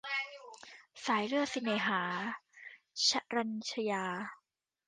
สายเลือดสิเน่หา - ฌรัณฌา